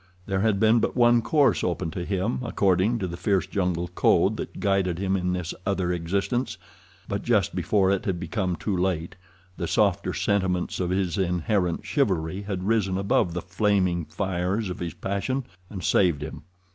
There had been but one course open to him, according to the fierce jungle code that guided him in this other existence; but just before it had become too late the softer sentiments of his inherent chivalry had risen above the flaming fires of his passion and saved him.